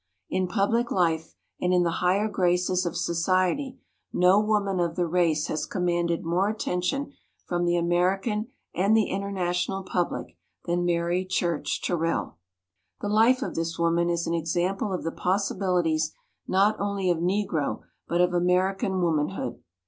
In public life and in the higher graces of society no woman of the race has commanded more attention from the Ameri can and the international public than Mary Church Terrell. The life of this woman is an example of the possibilities not only of Negro but of American womanhood.